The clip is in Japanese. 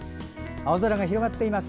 青空が広がっています。